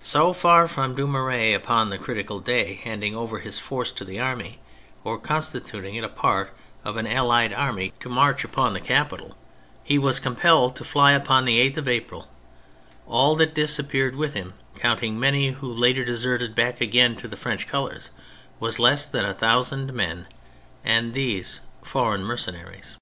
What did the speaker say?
So far from Dumouriez upon the critical day handing over his force to the enemy, or con stituting it a part of an allied army to march THE MILITARY ASPECT 171 upon the capital, he was compelled to fly upon the 8th of April ; all that disappeared with him, counting many who later deserted back again to the French colours, was less than a thou sand men — and these foreign mercenaries.